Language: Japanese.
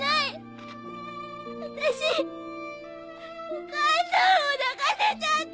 私お母さんを泣かせちゃった。